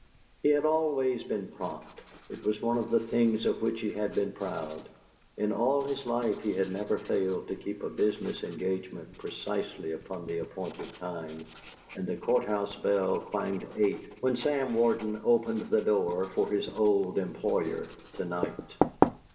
He had always been prompt; it was one of the things of which he had been proud: in all his life he had never failed to keep a business engagement precisely upon the appointed time, and the Court house bell clanged eight when Sam Warden opened the door for his old employer to night.